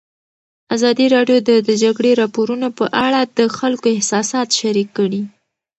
ازادي راډیو د د جګړې راپورونه په اړه د خلکو احساسات شریک کړي.